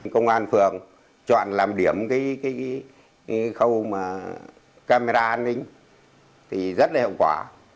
công an phường chọn làm điểm cái khâu mà camera an ninh thì rất là hiệu quả